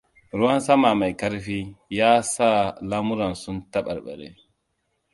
Ruwan sama mai karfi, ya sa lamuran su tabarbare.